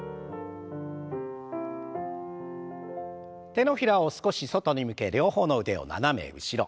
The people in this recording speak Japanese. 手のひらを少し外に向け両方の腕を斜め後ろ。